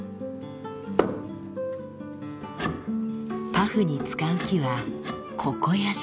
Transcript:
パフに使う木はココヤシ。